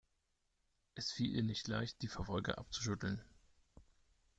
Es fiel ihr nicht leicht, die Verfolger abzuschütteln.